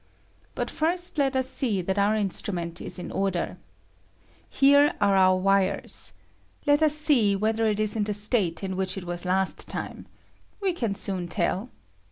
But first let ua see that our instrument is in order. Here are our wires. Let us see whether it ia in the state in which it was last time. We can soon tell.